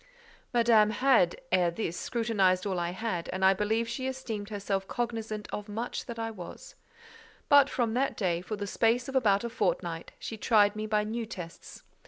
Madame had, ere this, scrutinized all I had, and I believe she esteemed herself cognizant of much that I was; but from that day, for the space of about a fortnight, she tried me by new tests.